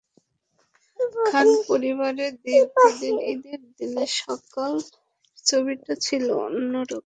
খান পরিবারে দীর্ঘদিন ঈদের দিনের সকালের ছবিটা ছিল একই রকম।